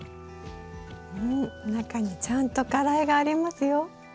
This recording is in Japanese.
うん中にちゃんと花蕾がありますよ。